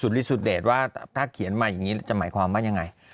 สุดลิศสุดเดตว่าถ้าเขียนมาอย่างนี้แล้วจะหมายความว่ายังไง